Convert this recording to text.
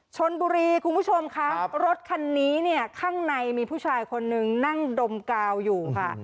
ชนบุรีคุณผู้ชมครับรถคันนี้เนี่ยข้างในมีผู้ชายคนนึงนั่งดมกาวอยู่ค่ะ